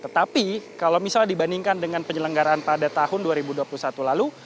tetapi kalau misalnya dibandingkan dengan penyelenggaraan pada tahun dua ribu dua puluh satu lalu